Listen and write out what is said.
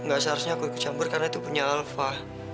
gak seharusnya aku ikut campur karena itu punya alfa